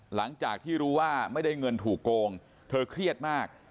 หลังจากที่รู้ว่าไม่ได้เงินถูกโกงเธอเครียดมาก